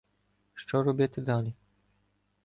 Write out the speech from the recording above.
Що робити далі?